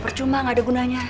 percuma gak ada gunanya